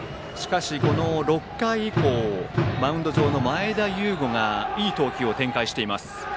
６回以降はマウンド上の前田悠伍がいい投球を展開しています。